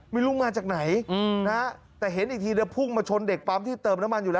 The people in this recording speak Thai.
ไม่รู้มาจากไหนแต่เห็นอีกทีเดี๋ยวพุ่งมาชนเด็กปั๊มที่เติมน้ำมันอยู่แล้ว